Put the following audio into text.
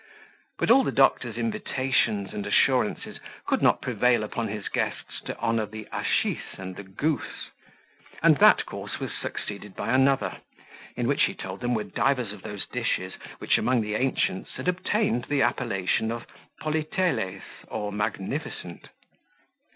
But all the doctor's invitations and assurances could not prevail upon his guests to honour the hachis and the goose; and that course was succeeded by another, in which he told them were divers of those dishes, which among the ancients had obtained the appellation of politeles, or magnificent.